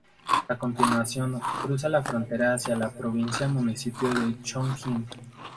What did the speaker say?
A continuación, cruza la frontera hacia la provincia-municipio de Chongqing.